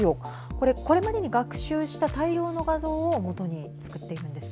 これ、これまでに学習した大量の画像をもとに作っているんです。